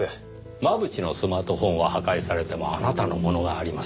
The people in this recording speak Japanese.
真渕のスマートフォンは破壊されてもあなたのものがあります。